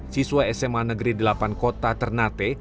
siswa sma negeri delapan kota ternate